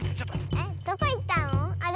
えっどこいったの？